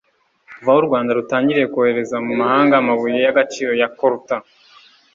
Kuva aho u Rwanda rutangiriye kohereza mu mahanga amabuye y’agaciro ya Coltan